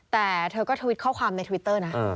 แต่เธอก็ทวิตข้อความในทวิตเตอร์นะ